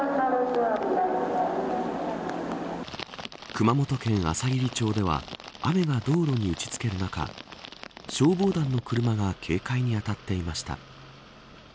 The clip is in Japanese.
熊本県あさぎり町では雨が道路に打ちつける中消防団の車が警戒に当たっていました。